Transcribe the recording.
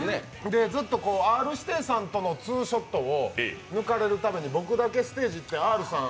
ずっとＲ−指定さんとのツーショットを抜かれるために僕だけステージにいってＲさん